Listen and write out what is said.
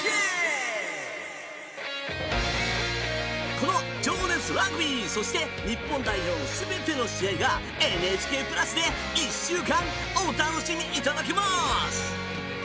この「情熱ラグビー」そして、日本代表のすべての試合がＮＨＫプラスで１週間お楽しみいただけます。